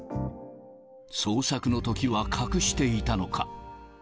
捜索のときは隠していたのか。